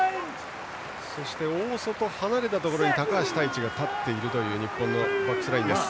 そして大外、離れたところに高橋汰地という日本のバックスラインです。